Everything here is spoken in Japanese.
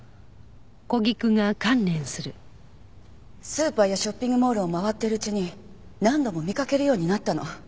スーパーやショッピングモールを回っているうちに何度も見かけるようになったの。